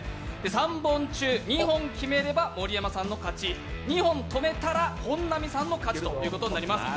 ３本中２本決めれば盛山さんの勝ち２本止めたら本並さんの勝ちとなります。